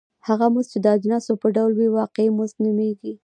هغه مزد چې د اجناسو په ډول وي واقعي مزد نومېږي